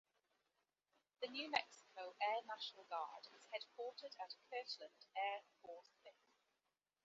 The New Mexico Air National Guard is headquartered at Kirtland Air Force Base.